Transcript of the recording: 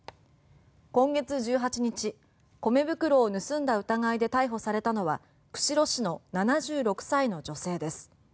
今月１８日、米袋を盗んだ疑いで逮捕されたのは釧路市の７６歳の女性です。